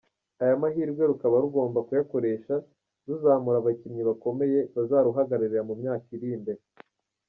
Aya mahirwe rukaba rugomba kuyakoresha ruzamura abakinnyi bakomeye bazaruhagararira mu myaka iri imbere.